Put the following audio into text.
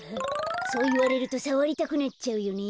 そういわれるとさわりたくなっちゃうよね。